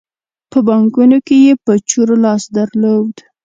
په بانکونو کې یې په چور لاس درلود.